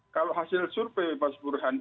kalau hasil survei mas burhan